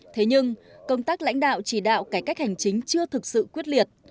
thế nhưng công tác lãnh đạo chỉ đạo cải cách hành chính chưa thực sự quyết liệt